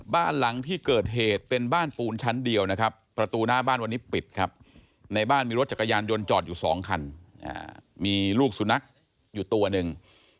บ้านหลังที่เกิดเหตุเป็นบ้านปูนชั้นเดียวนะครับประตูหน้าบ้านวันนี้ปิดครับในบ้านมีรถจักรยานยนต์จอดอยู่สองคันมีลูกสุนัขอยู่ตัวหนึ่ง